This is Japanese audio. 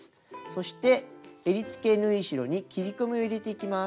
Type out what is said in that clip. そしてえりつけ縫い代に切り込みを入れていきます。